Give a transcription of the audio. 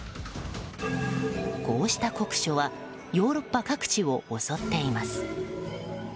こうした酷暑はヨーロッパ各地を襲っています。